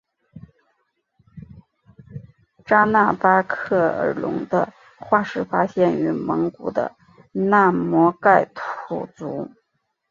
扎纳巴扎尔龙的化石发现于蒙古的纳摩盖吐组。